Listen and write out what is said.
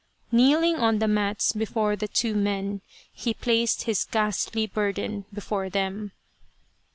Kneeling on the mats before the two men, he placed his ghastly burden before them.